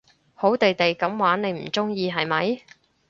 好地地噉玩你唔中意係咪？